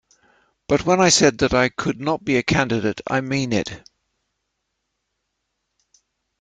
"..but when I said that I could not be a candidate, I mean it!